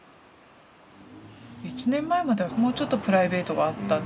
１年前まではもうちょっとプライベートがあった。